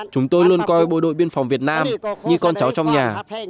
chúng tôi luôn coi bộ đội biên phòng việt nam như con cháu trong nhà